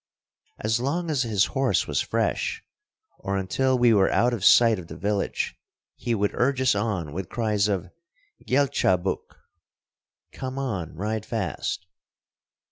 As long as his horse was fresh, or until we were out of sight of the village, he would urge us on with cries of "Gellcha buk" ("Come on, ride fast").